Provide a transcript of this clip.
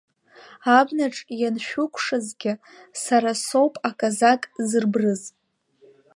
Абнаҿ ианшәыкәшазгьы сара соуп аказак зырбрыз.